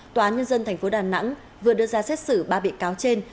tòa nhân dân tp đà nẵng vừa đưa ra xét xử ba bị cáo trên